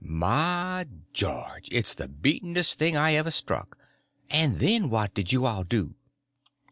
"My George! It's the beatenest thing I ever struck. And then what did you all do?"